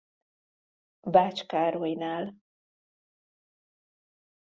Bács Károlynál.